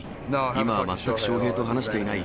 今は全く翔平と話していない。